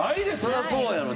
そりゃそうやろ。